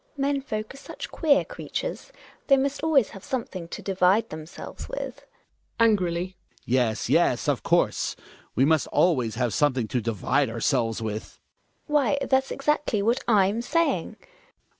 GiNA. Men folk are such queer creatures; they must always have something to divide themselves with. i ^^'i£r,l Hjalmar {angrily). Yes, yes, of course, we must always have something to divide ourselves with. GiNA. Why that's exactly what /'m saying.